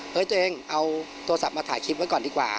ตัวเองเอาโทรศัพท์มาถ่ายคลิปไว้ก่อนดีกว่า